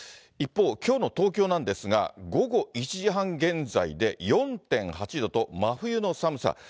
一方、きょうの東京なんですが、午後１時半現在で、４．８度と、真冬の寒さ。